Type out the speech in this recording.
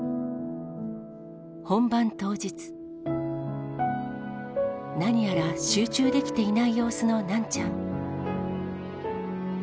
本番当日何やら集中できていない様子のナンちゃん